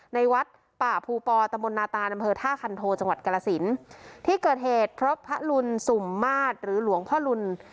ในวัดป่าภูปอตำบลนาตานอำเภอท่าคันโทจังหวัดกรสินที่เกิดเหตุพบพระลุนสุ่มมาตรหรือหลวงพ่อลุน